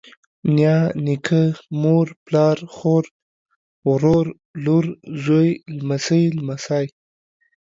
نيا، نيکه، مور، پلار، خور، ورور، لور، زوى، لمسۍ، لمسى